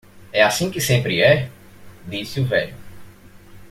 "É assim que sempre é?" disse o velho.